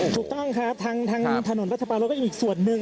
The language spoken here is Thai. ถูกต้องครับทางถนนรัชปารถก็ยังมีอีกส่วนหนึ่ง